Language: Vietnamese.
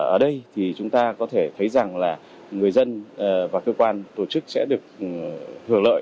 ở đây thì chúng ta có thể thấy rằng là người dân và cơ quan tổ chức sẽ được hưởng lợi